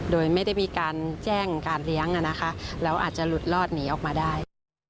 โดยไม่ได้มีการแจ้งการเลี้ยงแล้วอาจจะหลุดรอดหนีออกมาได้